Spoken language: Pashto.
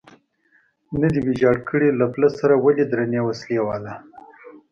نه دی ویجاړ کړی، له پله سره ولې درنې وسلې والا.